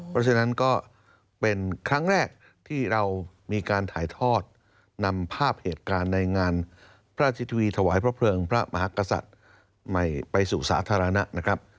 เพราะฉะนั้นก็เป็นครั้งแรกที่เรามีการถ่ายทอดนำภาพเหตุการณ์ในงานพระราชทวีถวายพระเพลิงพระมหากษัตริย์ใหม่ไปสู่สาธารณะนะครับ